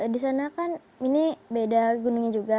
di sana kan ini beda gunungnya juga